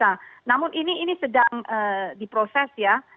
nah namun ini sedang diproses ya